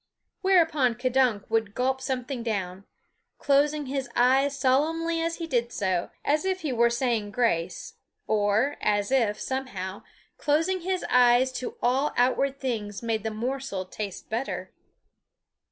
Whereupon K'dunk would gulp something down, closing his eyes solemnly as he did so, as if he were saying grace, or as if, somehow, closing his eyes to all outward things made the morsel taste better.